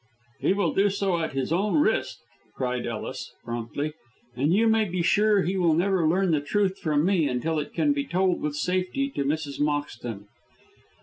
"He will do so at his own risk," cried Ellis, promptly. "And you may be sure he will never learn the truth from me until it can be told with safety to Mrs. Moxton.